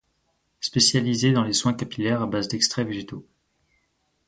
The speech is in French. Spécialisée dans les soins capillaires à base d’extraits végétaux.